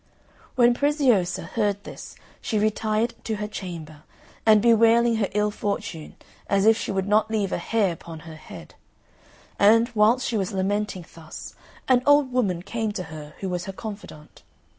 When Preziosa heard this she retired to her chamber, and bewailing her ill fortune as if she would not leave a hair upon her head; and, whilst she was lamenting thus, an old woman came to her, who was her confidant.